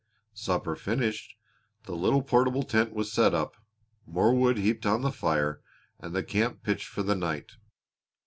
Supper finished, the little portable tent was set up, more wood heaped on the fire, and the camp pitched for the night.